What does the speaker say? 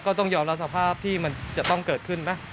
ต้องยอมรับสภาพที่มันจะต้องเกิดขึ้นไหม